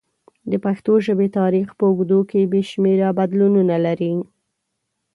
د پښتو ژبې تاریخ په اوږدو کې بې شمېره بدلونونه لري.